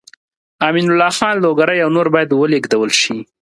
امین الله خان لوګری او نور باید ولېږدول شي.